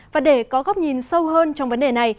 và để có góc nhìn sâu hơn trong vấn đề này